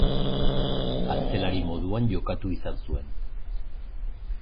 Atzelari moduan jokatu izan zuen.